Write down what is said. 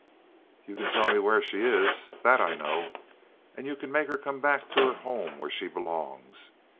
"Ye can tell me where she is, that I know. And ye can make her come back to her home, where she belongs.